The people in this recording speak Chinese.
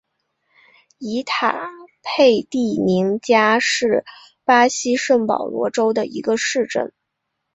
伊塔佩蒂宁加是巴西圣保罗州的一个市镇。